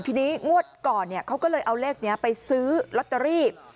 ทีนี้งวดก่อนเขาก็เลยเอาเลขนี้ไปซื้อลอตเตอรี่